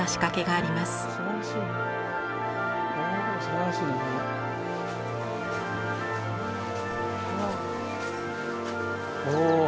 すばらしいな。